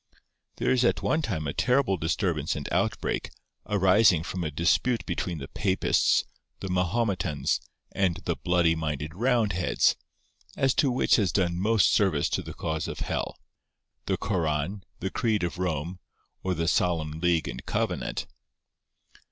There is at one time a terrible disturbance and outbreak, arising from a dispute between the Papists, the Mahometans, and the bloody minded Roundheads, as to which has done most service to the cause of hell,—the Koran, the Creed of Rome, or the Solemn League and Covenant.